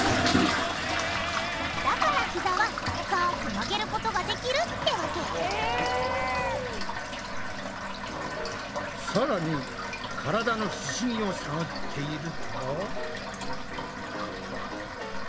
だからひざは深く曲げることができるってわけさらにからだの不思議を探っていると。